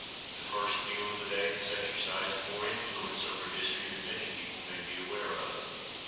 The first meal of the day has exercised more influence over history than many people may be aware of.